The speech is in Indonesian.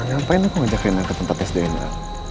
ngapain aku ngajak rena ke tempat tes dna